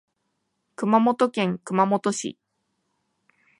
熊本県熊本市